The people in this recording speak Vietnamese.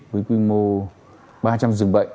với quy mô ba trăm linh dường bệnh